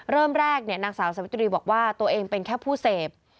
เริ่มแรกนางสาวสวิตรีบอกว่าตัวเองเป็นแค่ผู้เสพ